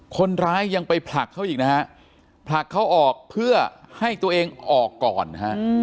คนร้ายยังไปผลักเขาอีกนะฮะผลักเขาออกเพื่อให้ตัวเองออกก่อนนะฮะ